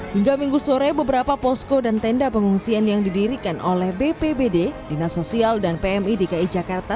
hingga minggu sore beberapa posko dan tenda pengungsian yang didirikan oleh bpbd dinas sosial dan pmi dki jakarta